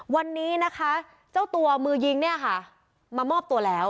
วันนี้นะคะเจ้าตัวมือยิงเนี่ยค่ะมามอบตัวแล้ว